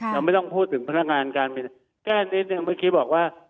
เราไม่ต้องพูดถึงพนักงานการบินแก้นิดหนึ่งเมื่อกี้บอกว่า